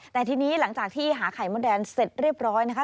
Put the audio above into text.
แต่ทีนี้หลังจากที่หาไข่มดแดงเสร็จเรียบร้อยนะคะ